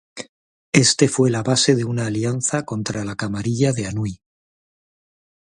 Este fue la base de una alianza contra la camarilla de Anhui.